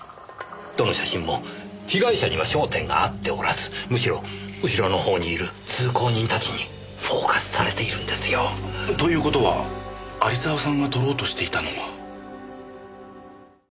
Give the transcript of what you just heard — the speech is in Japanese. どの写真も被害者には焦点が合っておらずむしろ後ろのほうにいる通行人たちにフォーカスされているんですよ。という事は有沢さんが撮ろうとしていたのは。